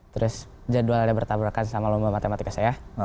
terus jadwalnya bertabrakan sama lomba matematika saya